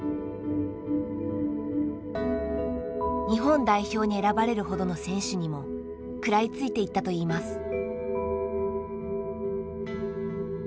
日本代表に選ばれるほどの選手にも食らいついていったといいます。